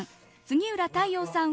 杉浦太陽さん